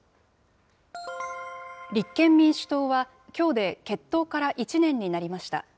立憲民主党は、きょうで結党から１年になりました。